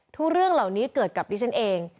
เรื่องเหล่านี้เกิดกับดิฉันเอง